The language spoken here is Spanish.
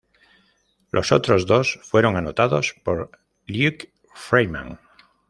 Los otros dos fueron anotados por Luke Freeman.